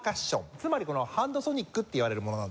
つまりハンドソニックっていわれるものなんですけども。